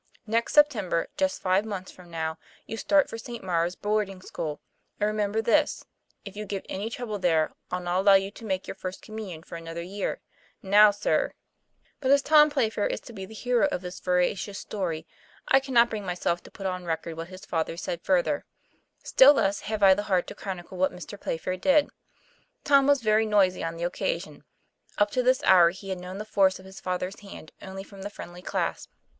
Next September, just five months from now, you start for St. Maure's boarding school, and remember this if you give any trouble there, I'll not allow you to make your First Communion for another year. Now, sir" But as Tom Playfair is to be the hero of this vera cious story I cannot bring myself to put on record what his father said further; still less have I the heart to chronicle what Mr. Playfair did. Tom was very noisy on the occasion. Up to this hour he had known the force of his father's hand only from the friendly clasp.